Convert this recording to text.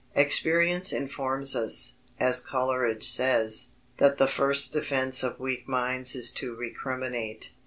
"Experience informs us," as Coleridge says, "that the first defence of weak minds is to recriminate."